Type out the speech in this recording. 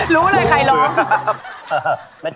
รู้เลยใครร้อง